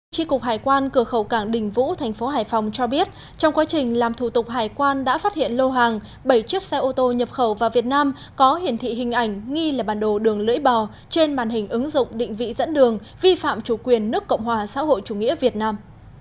tri cục hải quan cửa khẩu cảng đình vũ thành phố hải phòng cho biết trong quá trình làm thủ tục hải quan đã phát hiện lô hàng bảy chiếc xe ô tô nhập khẩu vào việt nam có hiển thị hình ảnh nghi là bản đồ đường lưỡi bò trên màn hình ứng dụng định vị dẫn đường vi phạm chủ quyền nước cộng hòa xã hội chủ nghĩa việt nam